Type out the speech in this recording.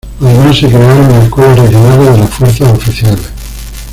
Además, se crearon las Escuelas Regionales de las Fuerzas Oficiales.